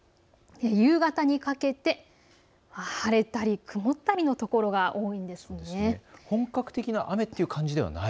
夕方にかけて晴れたり曇ったりの所が多いんですね。